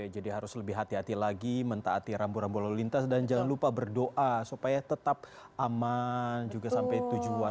jadi harus lebih hati hati lagi mentaati rambu rambu lalu lintas dan jangan lupa berdoa supaya tetap aman juga sampai tujuan